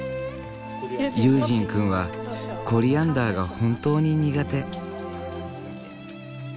悠仁くんはコリアンダーが本当に苦手。